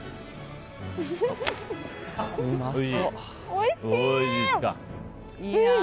おいしい。